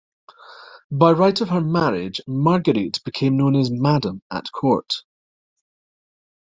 By right of her marriage, Marguerite became known as "Madame" at court.